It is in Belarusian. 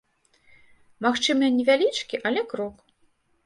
Магчыма, невялічкі, але крок.